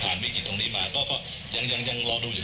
ผ่านวิกฤตตรงนี้มาก็ยังยังยังรอดูอยู่